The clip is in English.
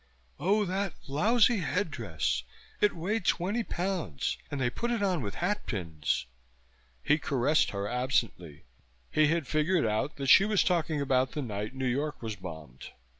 "Oh, that lousy headdress! It weighed twenty pounds, and they put it on with hatpins." He caressed her absently. He had figured out that she was talking about the night New York was bombed.